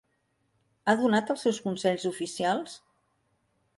Ha donat els seus consells oficials?